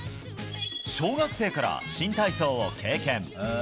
小学生から新体操を経験。